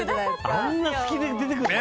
あんな隙で出てくるの？